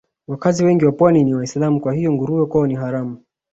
Wakazi wengi wa Pwani ni Waislamu kwa hiyo nguruwe kwao ni haramu